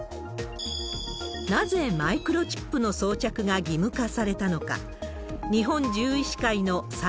なぜマイクロチップの装着が義務化されたのか。